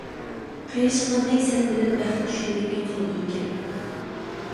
قىرىشقاندەك سەن بىلەن بەخت چۈشلىرىڭگە قالىدۇ كىرىپ.